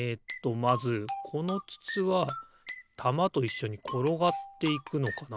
まずこのつつはたまといっしょにころがっていくのかな。